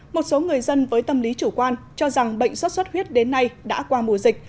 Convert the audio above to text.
một số người dân với tâm lý chủ quan cho rằng bệnh xuất xuất huyết đến nay đã qua mùa dịch